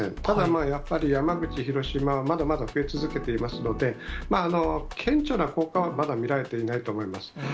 ただまあ、やっぱり、山口、広島はまだまだ増え続けていますので、顕著な効果はまだ見られていないと思います。